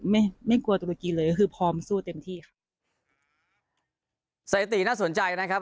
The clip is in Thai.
ไม่ไม่กลัวตุรกีเลยก็คือพร้อมสู้เต็มที่ค่ะสถิติน่าสนใจนะครับ